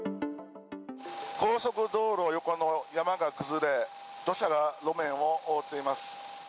高速道路横の山が崩れ、土砂が路面を覆っています。